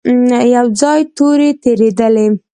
يو ځای تورې تېرېدلې.